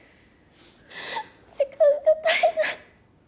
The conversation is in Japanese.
時間が足りない。